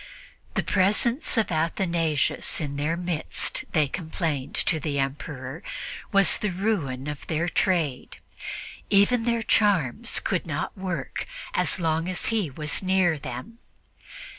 The presence of Athanasius in their midst, they complained to the Emperor, was the ruin of their trade. Even their charms would not work as long as he was near them.